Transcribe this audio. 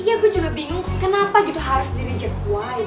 iya gue juga bingung kenapa gitu harus di reject why